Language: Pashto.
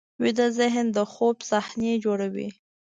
ویده ذهن د خوب صحنې جوړوي